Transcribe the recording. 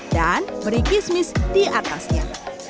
dan beri kismis di atasnya